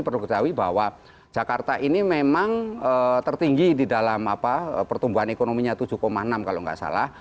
perlu ketahui bahwa jakarta ini memang tertinggi di dalam pertumbuhan ekonominya tujuh enam kalau nggak salah